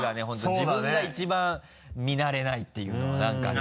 自分が１番見慣れないっていうのは何かね。